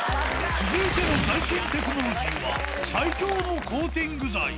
続いての最新テクノロジーは、最強のコーティング剤。